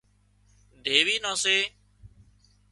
ڌيوِي نان سي